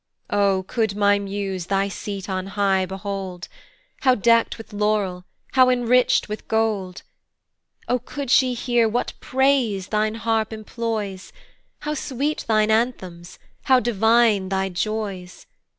O could my muse thy seat on high behold, How deckt with laurel, how enrich'd with gold! O could she hear what praise thine harp employs, How sweet thine anthems, how divine thy joys!